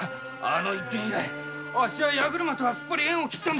あの一件以来八車とはすっぱり縁を切ったんだ。